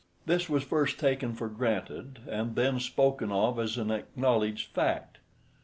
This was first taken for granted, and then spoken of as an acknowledged fact.